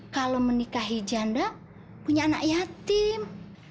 kalau menikahi janda punya anak yatim